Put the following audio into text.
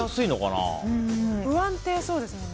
不安定そうですもんね。